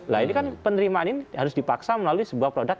nah ini kan penerimaan ini harus dipaksa melalui sebuah produk